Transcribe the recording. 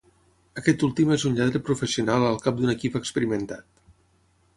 Aquest últim és un lladre professional al cap d'un equip experimentat.